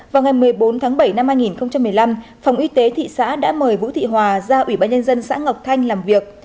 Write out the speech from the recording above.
vào ngày một mươi bốn tháng bảy năm hai nghìn một mươi năm phòng y tế thị xã đã mời vũ thị hòa ra ủy ban nhân dân xã ngọc thanh làm việc